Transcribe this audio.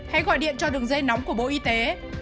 hãy gọi điện cho đường dây nóng của bộ y tế